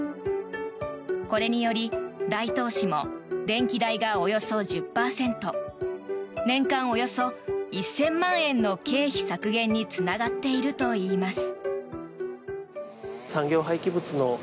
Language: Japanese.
これにより大東市も電気代がおよそ１０％年間およそ１０００万円の経費削減につながっているといいます。